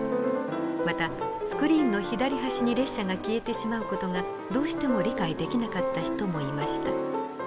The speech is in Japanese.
またスクリーンの左端に列車が消えてしまう事がどうしても理解できなかった人もいました。